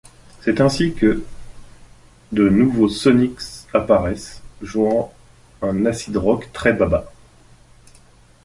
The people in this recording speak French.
C'est ainsi que de nouveaux Sonics apparaissent, jouant un acid rock très baba.